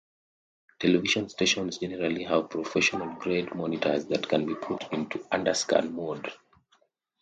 Television stations generally have professional-grade monitors that can be put into "underscan" mode.